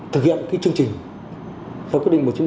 thực hiện cái chương trình